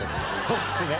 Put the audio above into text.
そうですね。